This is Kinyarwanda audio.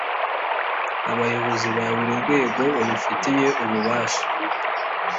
abayobozi ba buri rwego babifitiye ububasha